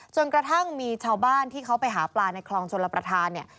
กระทั่งมีชาวบ้านที่เขาไปหาปลาในคลองชลประธานเนี่ย